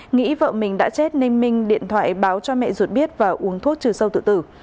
nghĩ vợ mình đã chết nên minh điện thoại báo cho mẹ ruột biết và uống thuốc trừ sâu tự tử